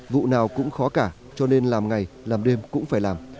vụ nào cũng khó cả cho nên làm ngày làm đêm cũng phải làm